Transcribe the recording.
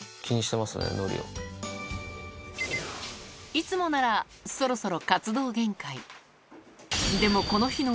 いつもなら、そろそろ活動限界。